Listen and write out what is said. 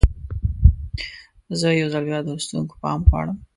زه یو ځل بیا د لوستونکو پام غواړم.